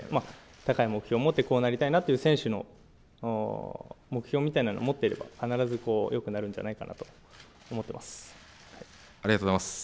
高い目標を持って、こうなりたいなと思う選手の目標みたいなのを持っていれば、必ずよくなるんじゃないかなと思ってます。